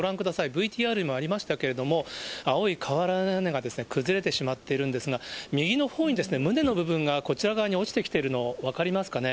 ＶＴＲにもありましたけれども、青い瓦屋根が崩れてしまってるんですが、右のほうに棟の部分がこちら側に落ちてきているの、分かりますかね。